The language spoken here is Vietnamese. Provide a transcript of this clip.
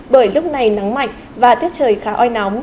bởi lúc này nắng mạnh và tiết trời khá oi nóng